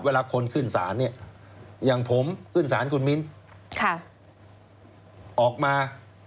เวลาคนขึ้นศาลเนี่ยอย่างผมขึ้นศาลคุณมิ้นออกมา